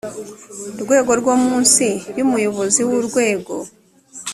rwego rwo munsi y umuyobozi w urwego